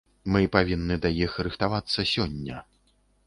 Мы павінны да іх рыхтавацца сёння.